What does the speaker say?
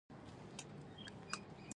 ښځه خبرداری ورکړ: وخت خراب دی.